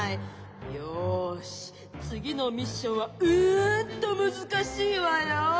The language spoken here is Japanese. よしつぎのミッションはうんとむずかしいわよ！